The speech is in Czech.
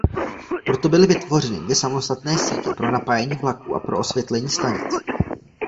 Proto byly vytvořeny dvě samostatné sítě pro napájení vlaků a pro osvětlení stanic.